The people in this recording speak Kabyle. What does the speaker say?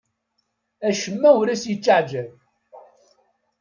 Acemma ur as-yettaɛjab.